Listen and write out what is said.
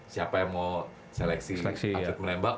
siapa yang mau seleksi lanjut menembak